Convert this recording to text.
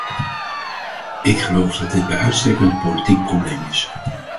Ik geloof dat dit bij uitstek een politiek probleem is.